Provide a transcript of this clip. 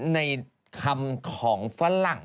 ในคำของฝรั่ง